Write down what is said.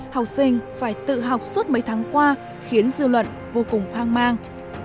học sinh phải tự học suốt mấy tháng qua khiến dư luận vô cùng hoang mang